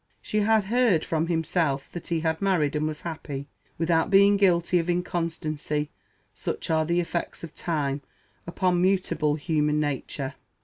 She had heard from himself that he had married, and was happy. Without being guilty of inconstancy, such are the effects of time upon mutable human nature!